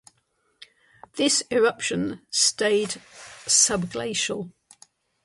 This eruption stayed subglacial.